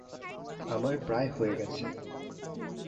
আমার প্রায় হয়ে গেছে।